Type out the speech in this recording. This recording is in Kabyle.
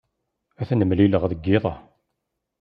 Ad ten-mlileɣ deg yiḍ-a.